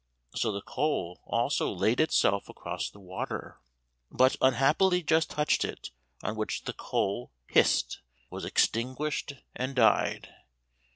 So the coal also laid itself across the water, but unhappily just touched it, on which the coal hissed, was extinguished and died.